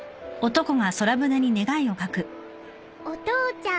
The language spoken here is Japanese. お父ちゃん